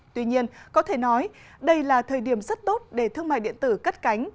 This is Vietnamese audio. tuy nhiên có thể nói đây là thời điểm rất tốt để thương mại điện tử cất cánh